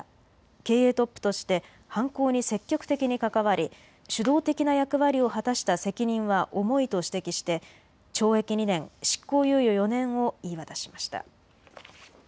経営トップとして犯行に積極的に関わり主導的な役割を果たした責任は重いと指摘して懲役２年、執行猶予４年を言い渡しました。